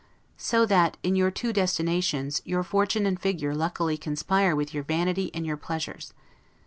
So that, in your two destinations, your fortune and figure luckily conspire with your vanity and your pleasures.